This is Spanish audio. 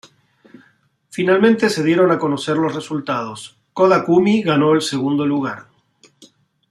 Finalmente se dieron a conocer los resultados: Koda Kumi ganó el segundo lugar.